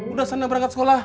udah sana berangkat sekolah